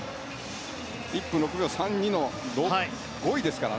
１分６秒３２の５位ですから。